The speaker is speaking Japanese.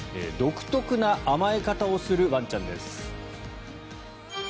独特な甘え方をするワンちゃんです。